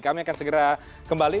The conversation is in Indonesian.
kami akan segera kembali